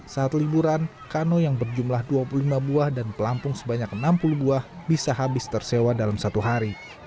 saat liburan kano yang berjumlah dua puluh lima buah dan pelampung sebanyak enam puluh buah bisa habis tersewa dalam satu hari